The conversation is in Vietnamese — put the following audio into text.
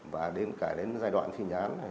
và đến cả giai đoạn thi nhán này